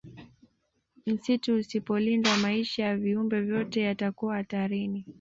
Msitu usipolindwa maisha ya viumbe vyote yatakuwa hatarini